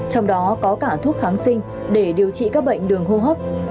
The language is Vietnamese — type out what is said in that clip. trong đó có cả thuốc kháng sinh để điều trị các bệnh đường hô hấp